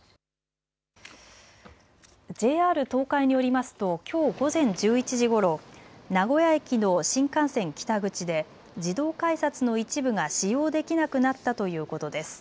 ＪＲ東海によりますときょう午前１１時ごろ、名古屋駅の新幹線北口で自動改札の一部が使用できなくなったということです。